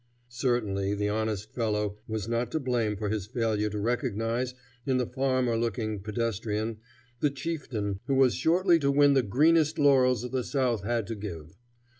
Certainly the honest fellow was not to blame for his failure to recognize, in the farmer looking pedestrian, the chieftain who was shortly to win the greenest laurels the South had to give.